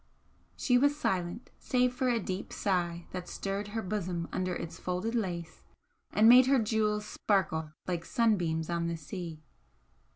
She was silent, save for a deep sigh that stirred her bosom under its folded lace and made her jewels sparkle like sunbeams on the sea.